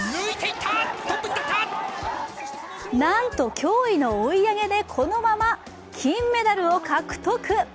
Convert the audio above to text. なんと驚異の追い上げでこのまま金メダルを獲得。